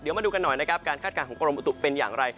เดี๋ยวมาดูกันหน่อยนะครับการคาดการณ์ของกรมอุตุเป็นอย่างไร